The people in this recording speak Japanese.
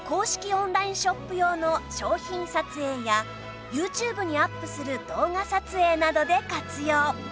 オンラインショップ用の商品撮影や ＹｏｕＴｕｂｅ にアップする動画撮影などで活用